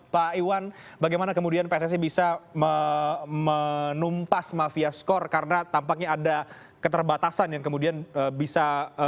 pak iwan bagaimana kemudian pssi bisa menumpas mafia skor karena tampaknya ada keterbatasan yang kemudian bisa